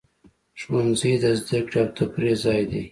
ښوونځی د زده کړې او تفریح ځای دی.